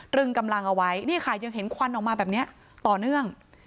ึงกำลังเอาไว้นี่ค่ะยังเห็นควันออกมาแบบนี้ต่อเนื่อง